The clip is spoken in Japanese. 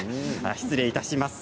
失礼いたします。